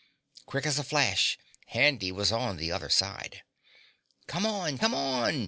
Quick as a flash Handy was on the other side. "Come on! Come on!"